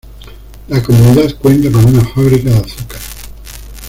La comunidad cuenta con una fábrica de azúcar.